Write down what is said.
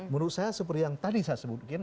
menurut saya seperti yang tadi saya sebutkan